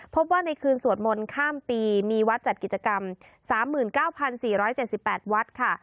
พบว่าในคืนสวดมนต์ข้ามปีมีวัดจัดกิจกรรม๓๙๔๗๘วัดค่ะ